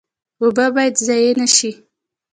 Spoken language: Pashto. اوبه باید ضایع نشي